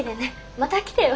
また来てよ。